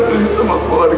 besar besar mama mungkin